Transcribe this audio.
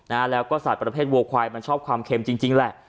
แล้วก็ยังเป็นสัตว์ประเภทวูอควายมันชอบความเค็มจริงนั่น